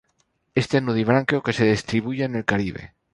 Este nudibranquio se distribuye en el Caribe.